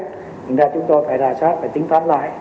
vì thế chúng tôi phải đà sát phải tính toán lại